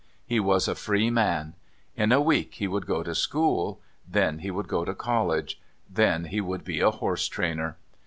He was a free man. In a week he would go to school; then he would go to College; then he would be a horsetrainer.